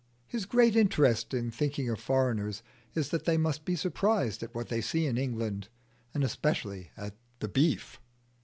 His great interest in thinking of foreigners is that they must be surprised at what they see in England, and especially at the beef.